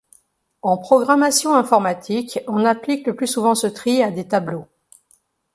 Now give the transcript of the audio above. En programmation informatique, on applique le plus souvent ce tri à des tableaux.